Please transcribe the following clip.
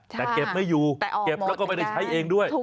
แต่เก็บไม่อยู่เก็บแล้วก็ไม่ได้ใช้เองด้วย